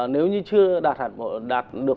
nếu như chưa đạt được